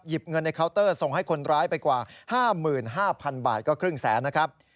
เงินในเคาน์เตอร์ส่งให้คนร้ายไปกว่า๕๕๐๐๐บาทก็ครึ่งแสนนะครับ